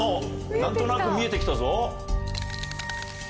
何となく見えて来たぞ。